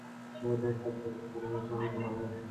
বোধ হয় সাত বছর সশ্রম ফাঁসির হুকুম হবে।